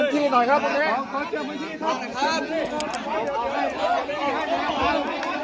ลิฟท์